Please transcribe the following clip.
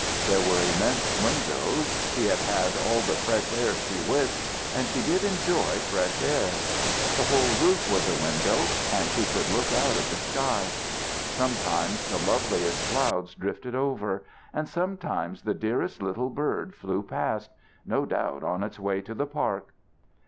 There were immense windows; she had had all the fresh air she wished, and she did enjoy fresh air! The whole roof was a window, and she could look out at the sky: sometimes the loveliest clouds drifted over, and sometimes the dearest little bird flew past, no doubt on its way to the park.